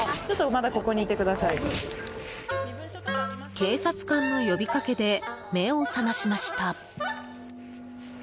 警察官の呼びかけで目を覚ましました。